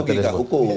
itu lebih ke hukum